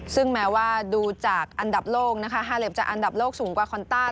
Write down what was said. ซึ่งแม้ว่าดูจากอันดับโลกนะคะฮาเล็บจะอันดับโลกสูงกว่าคอนต้า